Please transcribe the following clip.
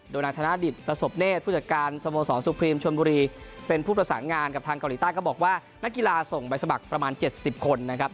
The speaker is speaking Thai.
โดยนายธนดิตประสบเนธผู้จัดการสโมสรสุพรีมชนบุรีเป็นผู้ประสานงานกับทางเกาหลีใต้ก็บอกว่านักกีฬาส่งใบสมัครประมาณ๗๐คนนะครับ